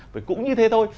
vì cũng như thế thôi